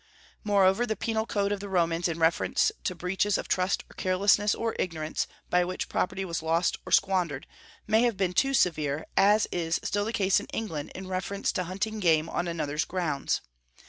Moreover, the penal code of the Romans in reference to breaches of trust or carelessness or ignorance, by which property was lost or squandered, may have been too severe, as is still the case in England in reference to hunting game on another's grounds.